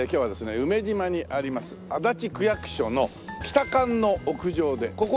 梅島にあります足立区役所の北館の屋上で。